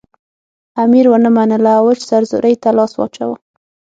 امیر ونه منله او وچ سرزوری ته لاس واچاوه.